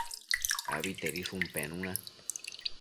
Abitedishun penuna